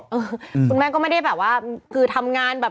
คุณแม่ก็ไม่ได้แบบว่าคือทำงานแบบ